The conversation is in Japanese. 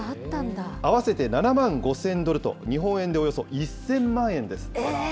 合わせて７万５０００ドルと、日本円でおよそ１０００万円です。